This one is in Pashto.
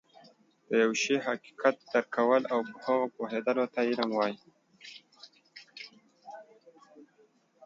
د يوه شي حقيقت درک کول او په هغه پوهيدلو ته علم وایي